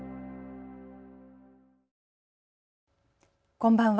こんばんは。